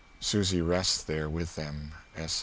[Susy rests there with them. S.